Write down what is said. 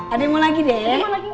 ada yang mau lagi deh